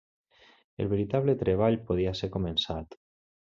El veritable treball podia ser començat.